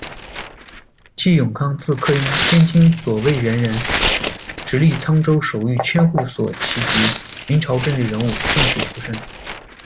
季永康，字克雍，天津左卫人人，直隶沧州守御千户所旗籍，明朝政治人物、进士出身。